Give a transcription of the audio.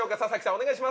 お願いします。